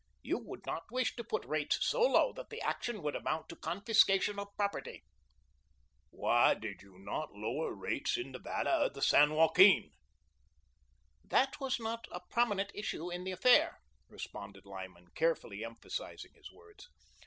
You would not wish to put rates so low that the action would amount to confiscation of property." "Why did you not lower rates in the valley of the San Joaquin?" "That was not a PROMINENT issue in the affair," responded Lyman, carefully emphasising his words.